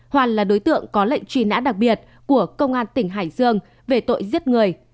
hoàn là đối tượng có lệnh truy nã đặc biệt của công an tỉnh hải dương về tội giết người